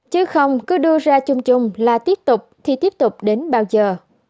chứ không cứ đưa ra chung chung là tiếp tục thì tiếp tục đến bao giờ